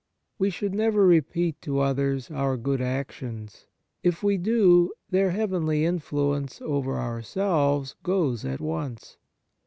We should never re peat to others our good actions. If we do, their heavenly influence over ourselves goes at once.